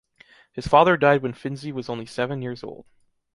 His father died when Finzi was only seven years old.